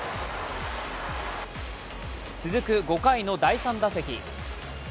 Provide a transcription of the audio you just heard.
続く５回の第３打席。